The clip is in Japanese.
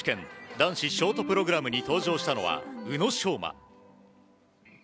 男子ショートプログラムに登場したのは、宇野昌磨。